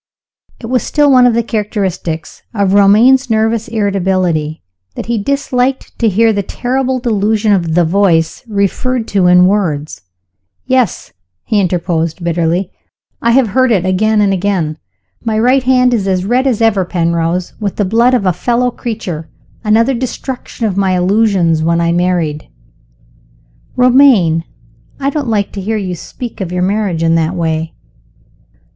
It was still one of the characteristics of Romayne's nervous irritability that he disliked to hear the terrible delusion of the Voice referred to in words. "Yes," he interposed bitterly, "I have heard it again and again. My right hand is as red as ever, Penrose, with the blood of a fellow creature. Another destruction of my illusions when I married!" "Romayne! I don't like to hear you speak of your marriage in that way."